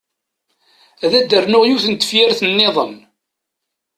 Ad d-rnuɣ yiwet n tefyirt-nniḍen.